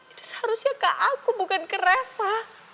itu seharusnya ke aku bukan ke refa